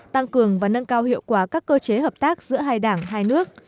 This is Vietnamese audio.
tăng cường và nâng cao hiệu quả các cơ chế hợp tác giữa hai đảng hai nước